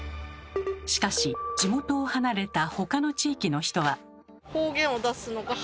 しかし地元を離れたほかの地域の人は。